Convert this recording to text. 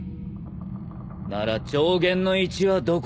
なら上弦の壱はどこだ。